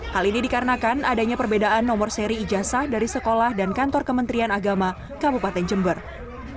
hal ini dikarenakan adanya perbedaan nomor seri ijazah dari sekolah dan kantor kementerian agama kabupaten jember